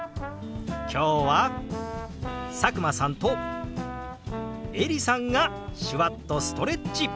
今日は佐久間さんとエリさんが手話っとストレッチ！